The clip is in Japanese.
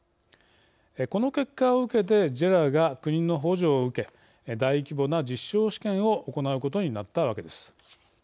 この結果を受けてＪＥＲＡが国の補助を受け大規模な実証試験を行うことになったわけです。